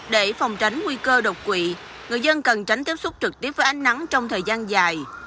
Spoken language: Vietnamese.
để phòng tránh nguy cơ độc quỵ người dân cần tránh tiếp xúc trực tiếp với ánh nắng trong thời gian dài